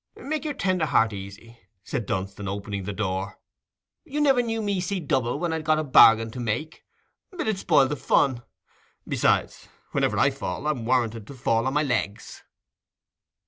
"Make your tender heart easy," said Dunstan, opening the door. "You never knew me see double when I'd got a bargain to make; it 'ud spoil the fun. Besides, whenever I fall, I'm warranted to fall on my legs."